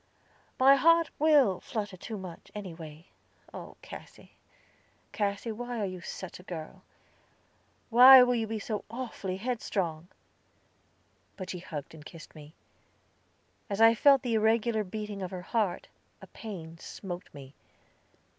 "My heart will flutter too much, anyway. Oh, Cassy, Cassy, why are you such a girl? Why will you be so awfully headstrong?" But she hugged and kissed me. As I felt the irregular beating of her heart, a pain smote me.